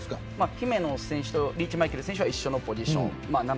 姫野選手とリーチマイケル選手は一緒のポジション。